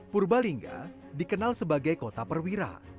purbalingga dikenal sebagai kota perwira